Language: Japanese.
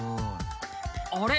あれ？